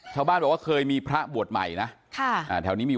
ฐานพระพุทธรูปทองคำ